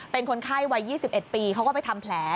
เป็นคนไข้วัย๒๑ปีเขาก็ไปทำแผล